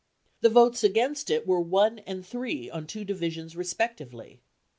" The votes against it were one and three on two divisions respectively.